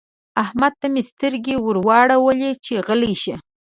احمد ته مې سترګې ور واړولې چې غلی شه.